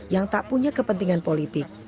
yang tak punya kepentingan politik